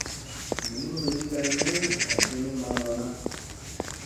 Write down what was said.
Li ni miɗi lay ni aygi ni maŋ lona.